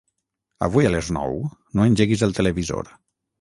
Avui a les nou no engeguis el televisor.